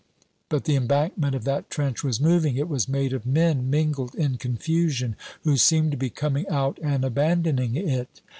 But the embankment of that trench was moving; it was made of men mingled in confusion, who seemed to be coming out and abandoning it.